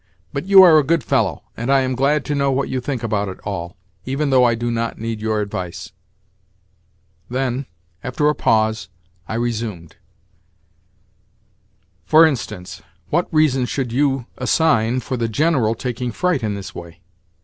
But you are a good fellow, and I am glad to know what you think about it all, even though I do not need your advice." Then, after a pause, I resumed: "For instance, what reason should you assign for the General taking fright in this way?